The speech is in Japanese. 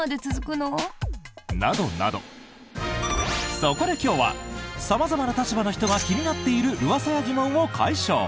そこで今日は様々な立場の人が気になっているうわさや疑問を解消！